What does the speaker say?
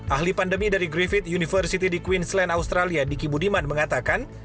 ahli pandemi dari griffith university di queensland australia diki budiman mengatakan